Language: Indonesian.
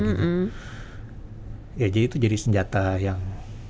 jadi itu jadi senjata yang